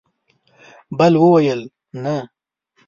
بل وویل: نه!